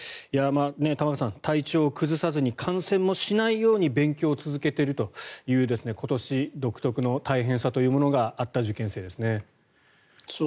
玉川さん、体調を崩さずに感染もしないように勉強を続けているという今年独特の大変さというものがあった受験生ですね。